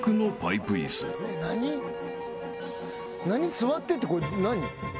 座ってってこれ何？